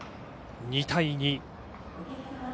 ２対２。